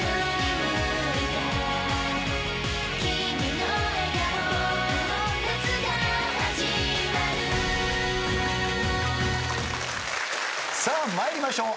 僕の夏が始まる」さあ参りましょう。